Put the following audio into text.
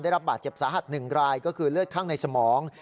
ได้รับบาดเจ็บสาหัส๑รายก็คือเลือดข้างในสมอง